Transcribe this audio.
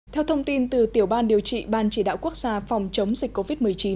theo thông tin từ tiểu ban điều trị ban chỉ đạo quốc gia phòng chống dịch covid một mươi chín